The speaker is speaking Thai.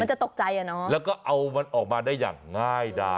จะตกใจอ่ะเนอะแล้วก็เอามันออกมาได้อย่างง่ายดา